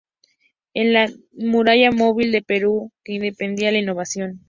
Era la "muralla móvil" de Perú que impedía la invasión.